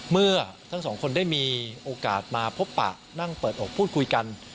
เมื่อทั้งสองคนได้มีโอกาสมาพบปะนั่งเปิดอกพูดคุยกัน